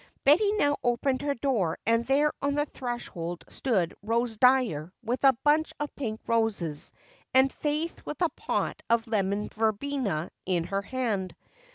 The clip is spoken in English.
'" Betty now opened her door and there on the threshold stood Rose Dyer with a bunch of pink roses and Faith with a pot of lemon verbena in her hand.